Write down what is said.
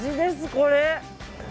これ。